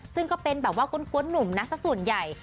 ซึ่งก็เป็นแบบว่ากล้วนหนุ่มนะสักส่วนใหญ่